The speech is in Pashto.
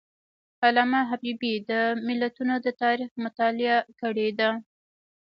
علامه حبیبي د ملتونو د تاریخ مطالعه کړې ده.